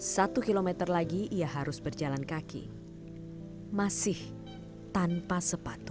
satu kilometer lagi ia harus berjalan kaki masih tanpa sepatu